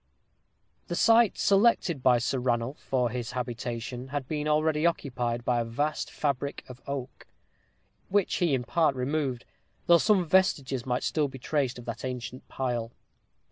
The site selected by Sir Ranulph for his habitation had been already occupied by a vast fabric of oak, which he in part removed, though some vestiges might still be traced of that ancient pile.